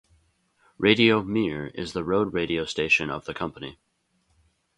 Radio "Mir" is the road radio station of the company.